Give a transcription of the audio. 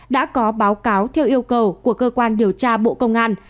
đã có báo cáo theo yêu cầu của cơ quan điều tra bộ công an